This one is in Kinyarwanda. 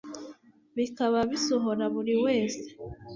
Bikaba bisohora buri wese